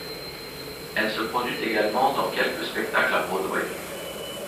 Elle se produit également dans quelques spectacles à Broadway.